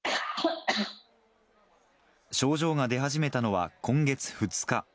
症状が出始めたのは、今月２日。